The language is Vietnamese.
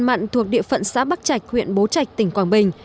tuyến đê ngăn mặn thuộc địa phận xã bắc trạch huyện bố trạch tỉnh quảng bình